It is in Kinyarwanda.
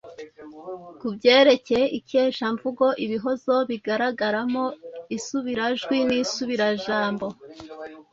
Ku byerekeye ikeshamvugo, ibihozo bigaragaramo isubirajwi n’isubirajambo.